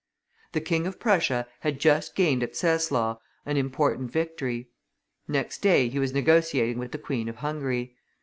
The King of Prussia had just gained at Czezlaw an important victory; next day, he was negotiating with the Queen of Hungary.